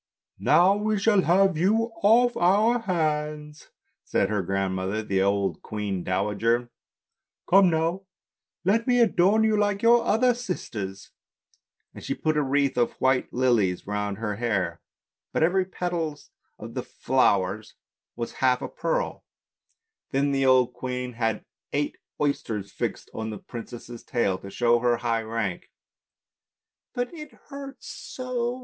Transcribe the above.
" Now we shall have you off our hands," said her grandmother, the old queen dowager. " Come now, let me adorn you like your other sisters! " and she put a wreath of white lilies round her hair, but every petal of the flowers was half a pearl; then 6 ANDERSEN'S FAIRY TALES the old queen had eight oysters fixed on to the princess's tail to show her high rank. " But it hurts so!